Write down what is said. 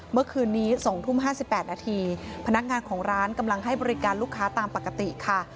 เมื่อคืนนี้๒ทุ่ม๕๘นาทีพนักงานของร้านกำลังให้บริการลูกค้าตามปกติค่ะ